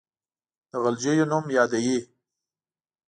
د غلجیو نوم یادوي.